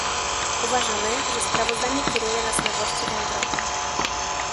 Uważamy, że sprawozdanie kieruje nas na właściwą drogę